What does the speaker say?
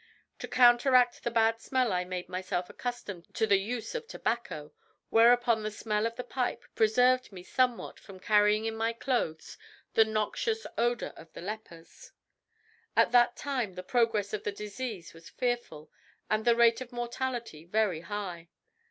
To counteract the bad smell I made myself accustomed to the use of tobacco, whereupon the smell of the pipe preserved me somewhat from carrying in my clothes the noxious odour of the lepers. At that time the progress of the disease was fearful, and the rate of mortality very high.